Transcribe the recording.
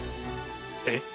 えっ？